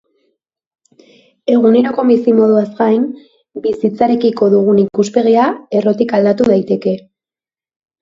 Eguneroko bizimoduaz gain, bizitzarekiko dugun ikuspegia errotikaldatu daiteke.